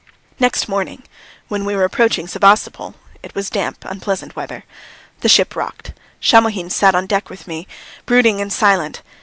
Next morning when we were approaching Sevastopol, it was damp, unpleasant weather; the ship rocked. Shamohin sat on deck with me, brooding and silent.